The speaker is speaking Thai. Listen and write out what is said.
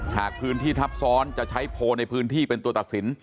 หากพื้นที่ทับซ้อนจะใช้โพลในพื้นที่เป็นตัวตัดสิน